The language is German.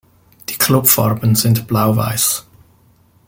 Die Klubfarben sind blau-weiß.